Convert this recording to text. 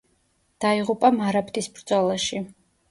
დაიღუპა მარაბდის ბრძოლაში.